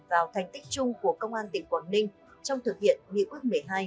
đã có phần cao thành tích chung của công an tỉnh quảng ninh trong thực hiện nghị quốc một mươi hai